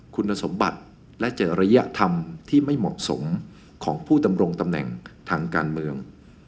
คุณสมบัติและเจริยธรรมที่ไม่เหมาะสมของผู้ดำรงตำแหน่งทางการเมือง